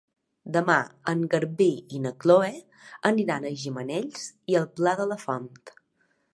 Demà en Garbí i na Chloé aniran a Gimenells i el Pla de la Font.